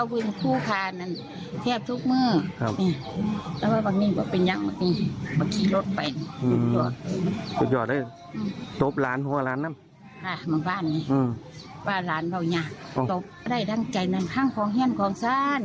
ว่าหลานเราอยากตบได้ดังใจนั้นข้างของเหี้ยนของสั้น